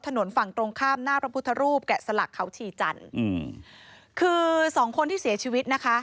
ถนนฝั่งตรงข้ามหน้าพระพุทธรูปแกะสลักเขาชีจันทร์อืมคือสองคนที่เสียชีวิตนะคะ